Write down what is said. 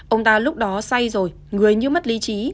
ông ta lúc đó say rồi người như mất lý trí